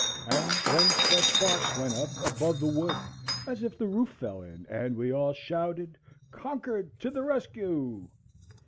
And then fresh sparks went up above the wood, as if the roof fell in, and we all shouted "Concord to the rescue!"